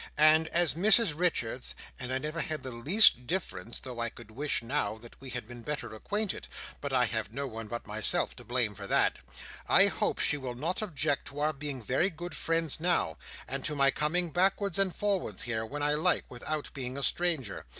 And as Mrs Richards and I never had the least difference (though I could wish now that we had been better acquainted, but I have no one but myself to blame for that), I hope she will not object to our being very good friends now, and to my coming backwards and forwards here, when I like, without being a stranger.